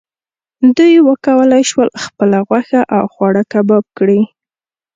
دوی وکولی شول خپله غوښه او خواړه کباب کړي.